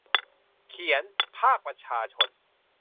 เขียน :'ภาคประชาชน'